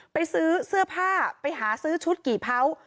ไปซื้อเสื้อผ้าไปหาซื้อชุดกี่เผา